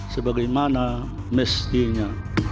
sebagai mana mestinya